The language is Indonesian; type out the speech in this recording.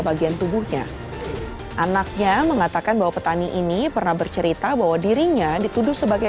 bagian tubuhnya anaknya mengatakan bahwa petani ini pernah bercerita bahwa dirinya dituduh sebagai